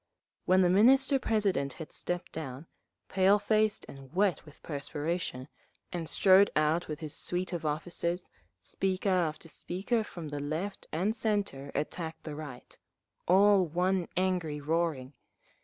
When the Minister President had stepped down, pale faced and wet with perspiration, and strode out with his suite of officers, speaker after speaker from the Left and Centre attacked the Right, all one angry roaring.